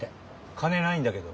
金ないんだけど。